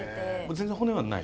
全然骨はない？